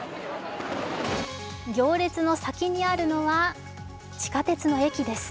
行列の先にあるのは地下鉄の駅です。